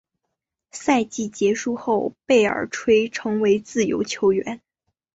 赛季结束后贝尔垂成为自由球员。